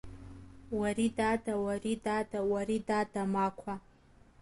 Уаридада, уаридада, уаридада мақәа.